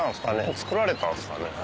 造られたんですかね？